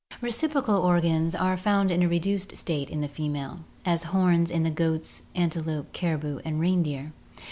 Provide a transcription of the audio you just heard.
Reciprocal organs are found in a reduced state in the female, as horns in the goats, antelope, caribou, and reindeer.